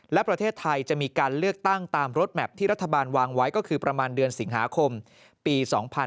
และประเทศไทยจะมีการเลือกตั้งตามรถแมพที่รัฐบาลวางไว้ก็คือประมาณเดือนสิงหาคมปี๒๕๕๙